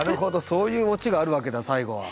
そういうオチがあるわけだ最後は。